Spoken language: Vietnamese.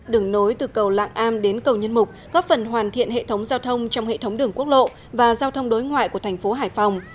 đường nối từ cầu lạng am đến cầu nhân mục góp phần hoàn thiện hệ thống giao thông trong hệ thống đường quốc lộ và giao thông đối ngoại của thành phố hải phòng